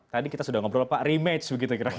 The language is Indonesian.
tadi kita sudah ngobrol pak rematch